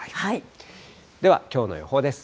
では、きょうの予報です。